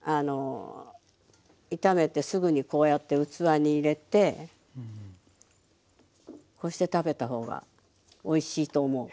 炒めてすぐにこうやって器に入れてこうして食べた方がおいしいと思う。